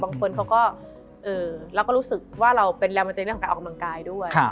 บางคนเขาก็รู้สึกว่าเราเป็นแรมมาเจนเรื่องของการออกกำลังกายด้วย